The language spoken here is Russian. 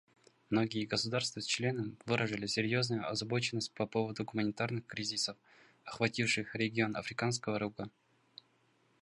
Многие государства-члены выражали серьезную озабоченность по поводу гуманитарных кризисов, охвативших регион Африканского Рога.